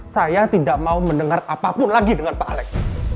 saya tidak mau mendengar apapun lagi dengan pak alex